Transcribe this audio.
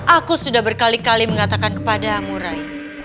aku sudah berkali kali mengatakan kepadamu rai